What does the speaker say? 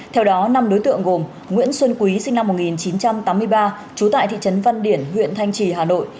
theo đó năm đối tượng gồm nguyễn xuân quý sinh năm một nghìn chín trăm tám mươi ba trú tại thị trấn văn điển huyện thanh trì hà nội